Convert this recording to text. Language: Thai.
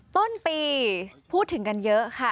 ต้นปีพูดถึงกันเยอะค่ะ